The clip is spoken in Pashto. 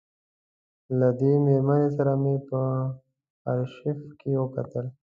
له دې مېرمنې سره مې په آرشیف کې وکتل.